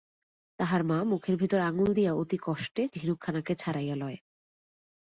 তাহার মা মুখের ভিতর আঙুল দিয়া অতিকষ্টে ঝিনুকখানাকে ছাড়াইয়া লয়।